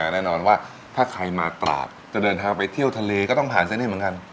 แน่นอนว่าถ้าใครมาตราดจะเดินทางไปเที่ยวทะเลก็ต้องผ่านเส้นนี้เหมือนกัน